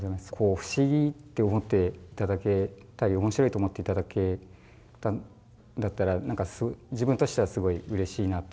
不思議って思って頂けたり面白いと思って頂けたんだったら自分としてはすごいうれしいなと。